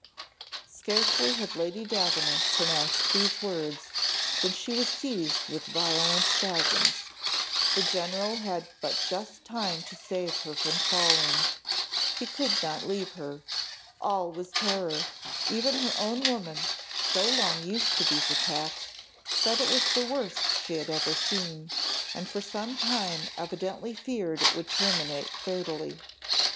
Scarcely had Lady Davenant pronounced these words, when she was seized with violent spasms. The general had but just time to save her from falling; he could not leave her. All was terror! Even her own woman, so long used to these attacks, said it was the worst she had ever seen, and for some time evidently feared it would terminate fatally.